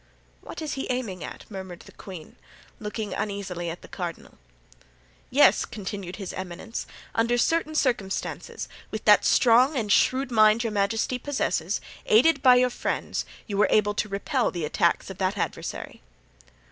"What is he aiming at?" murmured the queen, looking uneasily at the cardinal. "Yes," continued his eminence; "under certain circumstances, with that strong and shrewd mind your majesty possesses, aided by your friends, you were able to repel the attacks of that adversary."